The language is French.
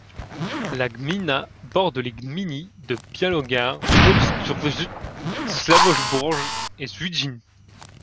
La gmina borde les gminy de Białogard, Połczyn-Zdrój, Sławoborze et Świdwin.